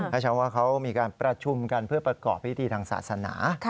ให้ชาวว่าเขามีการประชุมกันเพื่อประกอบพิธีทางศาสนา